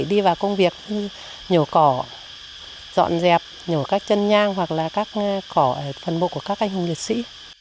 đi vào công việc nhổ cỏ dọn dẹp nhổ các chân nhang hoặc là các cỏ ở phần mộ của các anh hùng liệt sĩ